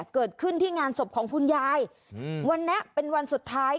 เกิดขึ้นที่งานศพของคุณยายวันนี้เป็นวันสุดท้าย